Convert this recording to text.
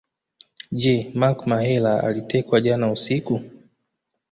Je Mark Mahela alitekwa jana usiku